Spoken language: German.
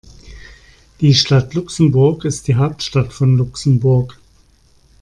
Die Stadt Luxemburg ist die Hauptstadt von Luxemburg.